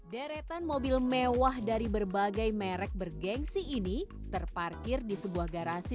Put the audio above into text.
deretan mobil mewah dari berbagai merek bergensi ini terparkir di sebuah garasi